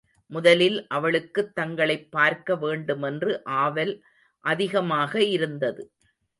முதலில் அவளுக்குத் தங்களைப் பார்க்க வேண்டுமென்று ஆவல் அதிகமாக இருந்தது.